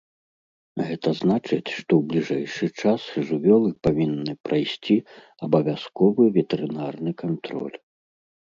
Гэта значыць, што ў бліжэйшы час жывёлы павінны прайсці абавязковы ветэрынарны кантроль.